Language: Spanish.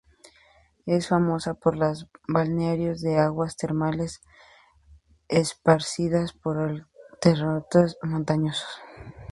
Es famosa por los balnearios de aguas termales esparcidas por los torrentes montañosos.